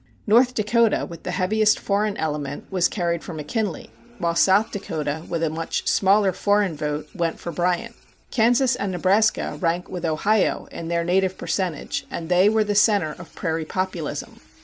North Dakota, with the heaviest foreign element, was carried for McKinley, while South Dakota, with a much smaller foreign vote, went for Bryan. Kansas and Nebraska rank with Ohio in their native percentage, and they were the center of prairie Populism.